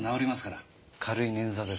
軽い捻挫です。